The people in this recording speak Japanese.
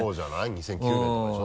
２００９年とかでしょ？